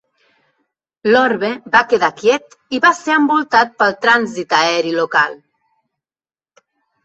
L'orbe va quedar quiet i va ser envoltat pel trànsit aeri local.